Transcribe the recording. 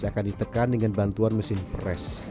akan ditekan dengan bantuan mesin pres